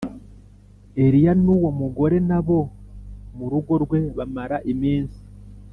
Eliya n uwo mugore n abo mu rugo rwe bamara iminsi